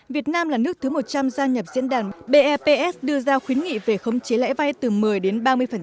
việt nam là nước thứ một trăm linh gia nhập diễn đàn beps đưa ra khuyến nghị về khống chế lãi vay từ một mươi đến ba mươi